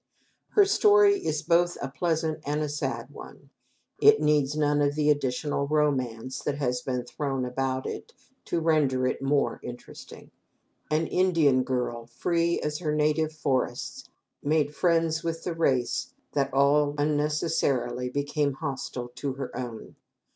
Her story is both a pleasant and a sad one. It needs none of the additional romance that has been thrown about it to render it more interesting. An Indian girl, free as her native forests, made friends with the race that, all unnecessarily, became hostile to her own.